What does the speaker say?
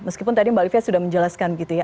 meskipun tadi mbak livia sudah menjelaskan gitu ya